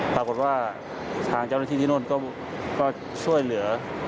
ปรากฏว่าทางเจ้าหน้าที่ที่โน่นก็ช่วยเหลือ